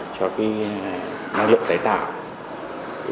cho cái năng lượng tài tạo